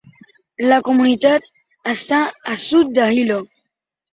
La comunitat està a sud de Hilo.